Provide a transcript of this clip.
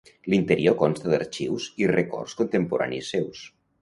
L'interior consta d'arxius i records contemporanis seus.